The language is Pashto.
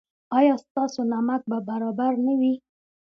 ایا ستاسو نمک به برابر نه وي؟